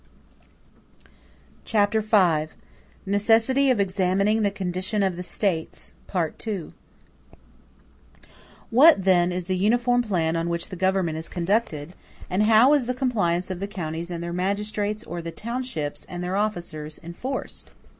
p. 183.] Chapter V: Necessity Of Examining The Condition Of The States—Part II What, then, is the uniform plan on which the government is conducted, and how is the compliance of the counties and their magistrates or the townships and their officers enforced?